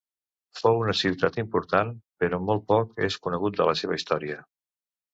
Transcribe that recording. Fou una ciutat important, però molt poc és conegut de la seva història.